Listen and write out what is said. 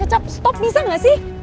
kecap stop bisa nggak sih